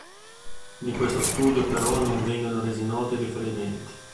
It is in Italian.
Di questo studio però non vengono resi noti i riferimenti.